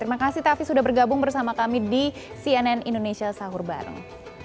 terima kasih taffi sudah bergabung bersama kami di cnn indonesia sahur bareng